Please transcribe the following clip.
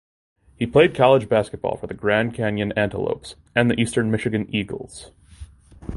He played college basketball for the Grand Canyon Antelopes and Eastern Michigan Eagles.